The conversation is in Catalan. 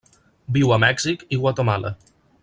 Viu a Mèxic i Guatemala.